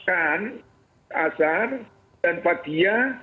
aris azhar dan fathia